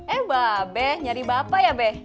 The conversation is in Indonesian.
eh mba be nyari bapak ya be